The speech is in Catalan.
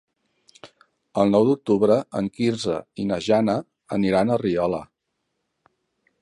El nou d'octubre en Quirze i na Jana aniran a Riola.